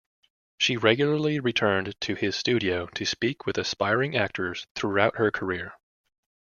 She regularly returned to his studio to speak with aspiring actors throughout her career.